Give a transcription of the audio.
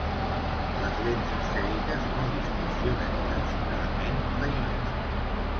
Les lents esfèriques no distorsionen intencionadament la imatge.